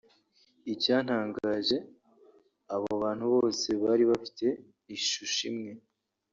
Icyantangaje abo bantu bose bari bafite ishusho imwe